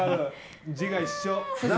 字が一緒。